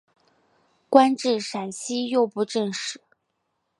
官至陕西右布政使。